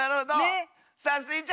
さあスイちゃん